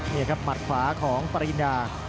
นี่ครับหมัดขวาของปริญญา